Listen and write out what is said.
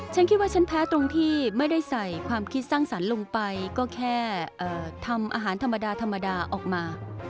ฉันคิดว่าฉันแพ้ตรงที่ไม่ได้ใส่ความคิดสร้างสรรค์ลงไปก็แค่ทำอาหารธรรมดาธรรมดาออกมา